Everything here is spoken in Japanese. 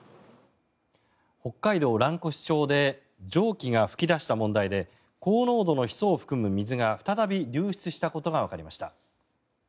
北海道蘭越町で蒸気が噴き出した問題で高濃度のヒ素を含む水が再び流出したことがわかりました。